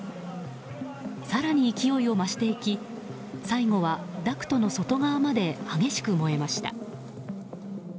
更に勢いを増していき最後はダクトの外側まで激しく燃えました。